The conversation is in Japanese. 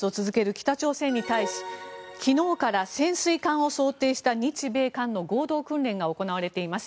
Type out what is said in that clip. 北朝鮮に対し昨日から潜水艦を想定した日米韓の合同訓練が行われています。